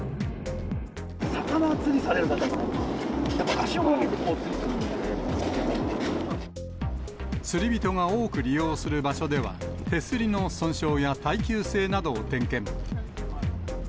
魚釣りされる方が、足をかけ釣り人が多く利用する場所では、手すりの損傷や耐久性などを点検。